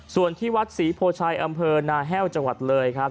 ส่วนที่วัดศรีโพชัยอำเภอนาแห้วจังหวัดเลยครับ